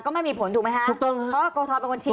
ก็ไม่มีผลถูกไหมฮะเพราะว่ากรกตเป็นคนชี้